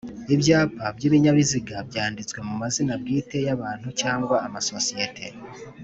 Ibyapa by ibinyabiziga byanditswe mu mazina bwite y abantu cyangwa amasosiyete